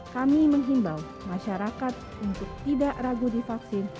kami menghimbau masyarakat untuk tidak ragu di vaksin